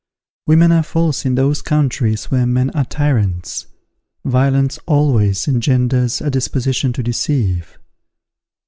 _ Women are false in those countries where men are tyrants. Violence always engenders a disposition to deceive.